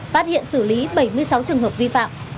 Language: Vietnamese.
phát hiện xử lý bảy mươi sáu trường hợp vi phạm